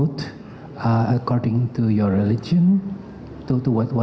demi sang hyang adibudha